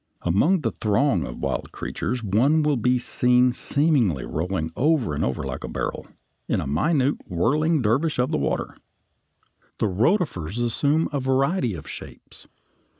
Among the throng of wonderful creatures one will be seen seemingly rolling over and over like a barrel, a minute whirling Dervish of the water. The rotifers assume a variety of shapes.